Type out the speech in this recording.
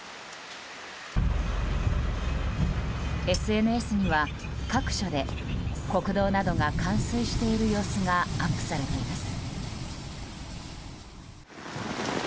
ＳＮＳには、各所で国道などが冠水している様子がアップされています。